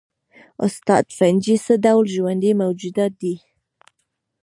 استاده فنجي څه ډول ژوندي موجودات دي